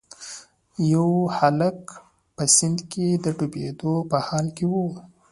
یو هلک په سیند کې د ډوبیدو په حال کې و.